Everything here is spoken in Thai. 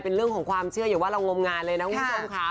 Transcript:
เป็นเรื่องของความเชื่ออย่าว่าเรางมงานเลยนะคุณผู้ชมค่ะ